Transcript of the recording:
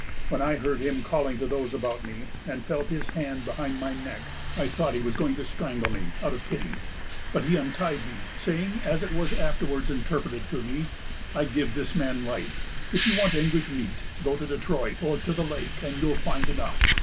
When I heard him calling to those about me, and felt his hand behind my neck, I thought he was going to strangle me, out of pity; but he untied me, saying, as it was afterwards interpreted to me: 'I give that man his life. If you want English meat, go to Detroit, or to the lake, and you'll find enough.